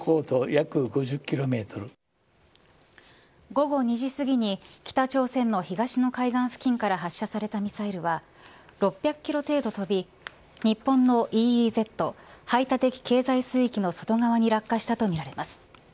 午後２時すぎに北朝鮮の東の海岸付近から発射されたミサイルは６００キロ程度飛び日本のＥＥＺ排他的経済水域の外側に落下したとみられます。